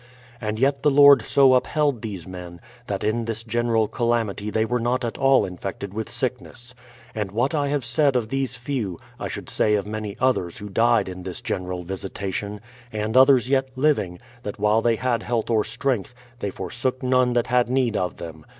And yet the Lord so upheld these men, that in this general calamity they were not at all infected with sickness. And what I have said of these few, I should say of many others who died in this general visitation, and others yet living, that while they had health or strength, they forsook none that had need of them.